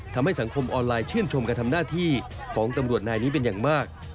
ทำให้สังคมออนไลน์ชื่นชมการทำหน้าที่ของตำรวจนายนี้เป็นอย่างมาก